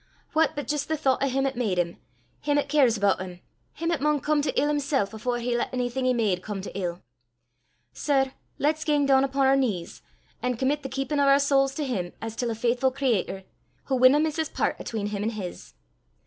What but jist the thoucht o' him 'at made him, him 'at cares aboot him, him 'at maun come to ill himsel' afore he lat onything he made come to ill. Sir, lat 's gang doon upo' oor knees, an' commit the keepin' o' oor sowls to him as til a faithfu' creator, wha winna miss his pairt 'atween him an' hiz."